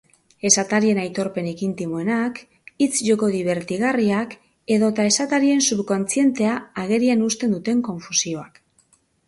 Esatarien aitorpenik intimoenak, hitz-joko dibertigarriak edota esatarien subkontzientea agerian uzten duten konfusioak.